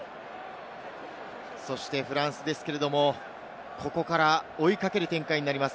そしてフランスですけれど、ここから追いかける展開になります。